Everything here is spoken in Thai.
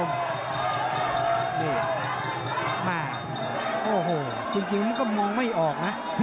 นี่แม่โอ้โหจริงมันก็มองไม่ออกนะ